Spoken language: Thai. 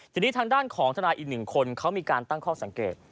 ทีนี้ทางด้านของทนายอีกหนึ่งคนเขามีการตั้งข้อสังเกต